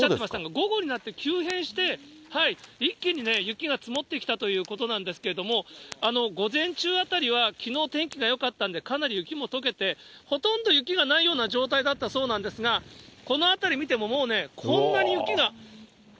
午後になって急変して、一気にね、雪が積もってきたということなんですけども、午前中あたりは、きのう、天気がよかったんで、かなり雪もとけて、ほとんど雪がないような状態だったそうなんですが、この辺り見てももうね、こんなに雪が。